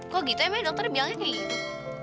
kok gitu emang dokter bilangnya kayak gitu